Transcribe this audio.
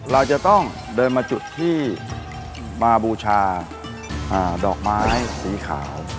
เราจะต้องเดินมาจุดที่มาบูชาดอกไม้สีขาว